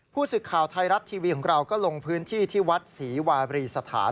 ผู้สื่อข่าวไทยรัฐทีวีของเราก็ลงพื้นที่ที่วัดศรีวารีสถาน